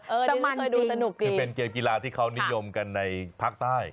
เออดิฉันเคยดูสนุกจริงคือเป็นเกียร์กีฬาที่เขานิยมกันในภาคใต้